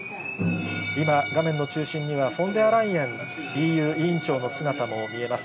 今、画面の中心にはフォンデアライエンＥＵ委員長の姿も見えます。